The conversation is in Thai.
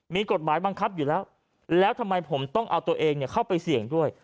มีกฎหมายบังคับอยู่แล้วแล้วทำไมผมต้องเอาตัวเองเข้าไปเสี่ยงด้วย